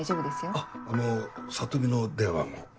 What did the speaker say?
あっあの里美の電話番号。